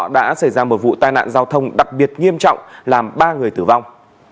đã xảy ra một vụ tai nạn giao thông đặc biệt nghiêm trọng làm ba người tử vong